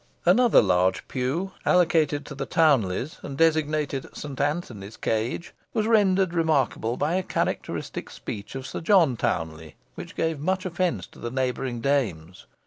Another large pew, allotted to the Towneleys, and designated Saint Anthony's Cage, was rendered remarkable, by a characteristic speech of Sir John Towneley, which gave much offence to the neighbouring dames.